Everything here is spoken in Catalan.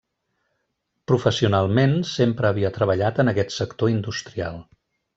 Professionalment, sempre havia treballat en aquest sector industrial.